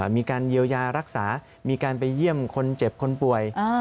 มีการเยียวยารักษามีการไปเยี่ยมคนเจ็บคนป่วย